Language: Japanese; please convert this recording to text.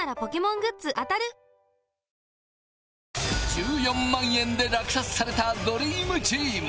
１４万円で落札されたドリームチーム